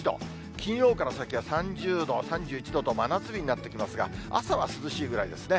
金曜から先は３０度、３１度と、真夏日になってきますが、朝は涼しいぐらいですね。